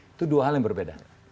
itu dua hal yang berbeda